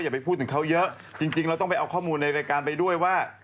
จริงเราต้องไปเอาข้อมูลในรายการไปด้วยว่า